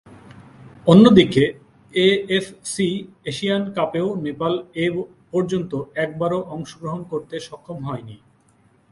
অন্যদিকে, AFC Asian কাপেও নেপাল এপর্যন্ত একবারও অংশগ্রহণ করতে সক্ষম হয়নি।